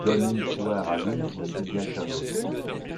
Donne une poire à l'une aussi bien qu'à l'autre.